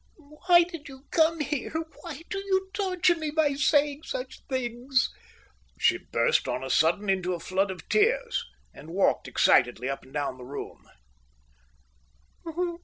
"Oh, why did you come here? Why do you torture me by saying such things?" She burst on a sudden into a flood of tears, and walked excitedly up and down the room.